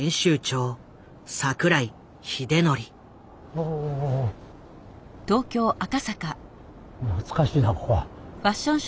お懐かしいなここは。